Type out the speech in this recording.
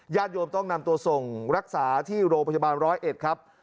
ญาติโยมต้องนำตัวส่งรักษาที่โรงพยาบาล๑๐๑ครับ